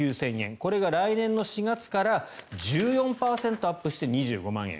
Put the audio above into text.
これが来年の４月から１４％アップして２５万円。